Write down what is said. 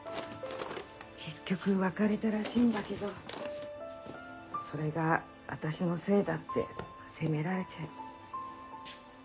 結局別れたらしいんだけどそれが私のせいだって責められて。